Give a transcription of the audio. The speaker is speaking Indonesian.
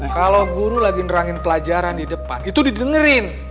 kalau guru lagi nerangin pelajaran di depan itu didengerin